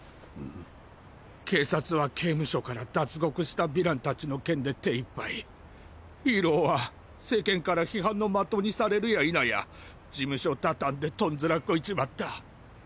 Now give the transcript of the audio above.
警察は刑務所から脱獄したヴィラン達の件で手一杯ヒーローは世間から批判の的にされるや否や事務所畳んでトンズラこいちまった。